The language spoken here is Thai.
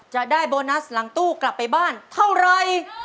จะได้โบนัสหลังตู้กลับไปบ้านเท่าไร